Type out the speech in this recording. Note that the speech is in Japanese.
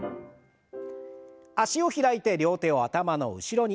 脚を開いて両手を頭の後ろに。